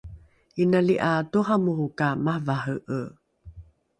inali ’a toramoro ka mavare’e